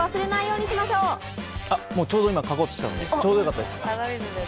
ちょうど今書こうとしていたんで、ちょうどよかったです。